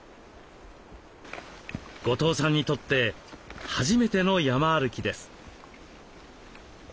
後藤さんにとって初めての山歩きです。